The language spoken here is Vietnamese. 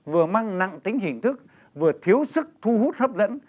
vừa mang nặng tính hình thức vừa thiếu sức thu hút hấp dẫn